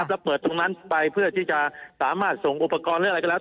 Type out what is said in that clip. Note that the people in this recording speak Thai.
แล้วเปิดตรงนั้นไปเพื่อที่จะสามารถส่งอุปกรณ์หรืออะไรก็แล้ว